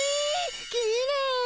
きれい！